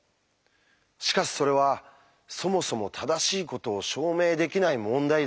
しかしそれはそもそも正しいことを証明できない問題だったんです。